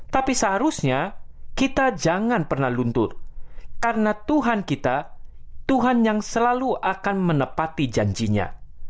tapi seharusnya kita jangan pernah luntur karena tuhan kita tuhan yang selalu akan menepati janjinya